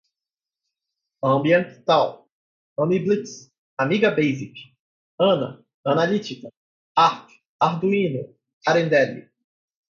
ambienttalk, amiblitz, amigabasic, ana, analytica, arc, arduino, arendelle